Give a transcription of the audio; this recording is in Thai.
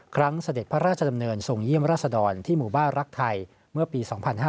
เสด็จพระราชดำเนินทรงเยี่ยมราชดรที่หมู่บ้านรักไทยเมื่อปี๒๕๕๙